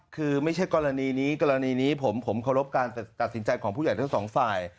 คือไม่ใช่กรณีนี้กรณีนี้ผมเคารพการตัดสินใจของผู้ใหญ่ทั้งสองฝ่าย